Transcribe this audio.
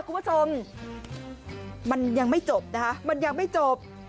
คุณผู้ชมมันยังไม่จบนะคะมันยังไม่จบ